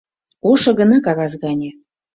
Ошо гына кагаз гане